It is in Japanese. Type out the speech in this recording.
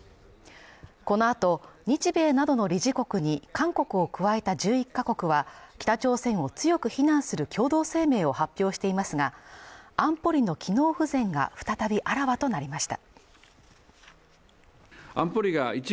この後日米などの理事国に韓国を加えた１１カ国は北朝鮮を強く非難する共同声明を発表していますが、安保理の機能不全が再びあらわとなりました。